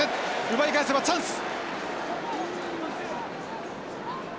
奪い返せばチャンス！